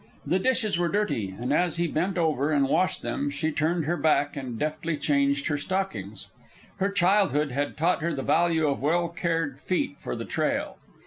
The dishes were dirty, and, as he bent over and washed them, she turned her back and deftly changed her stockings. Her childhood had taught her the value of well cared feet for the trail.